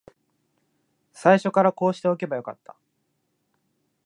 最初からこうしておけばよかった